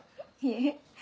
いえ。